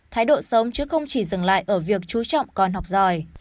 thái độ sống chứ không chỉ dừng lại ở việc chú trọng con học giỏi